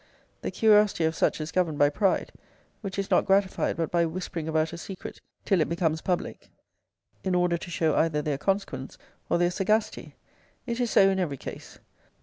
The curiosity of such is governed by pride, which is not gratified but by whispering about a secret till it becomes public, in order to show either their consequence, or their sagacity. It is so in every case.